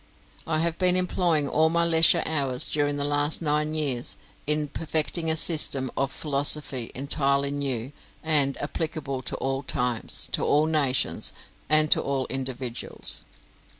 I have been employing all my leisure hours during the last nine years in perfecting a system of philosophy entirely new, and applicable to all times, to all nations, and to all individuals.